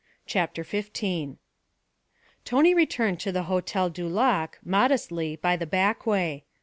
CHAPTER XV Tony returned to the Hotel du Lac, modestly, by the back way.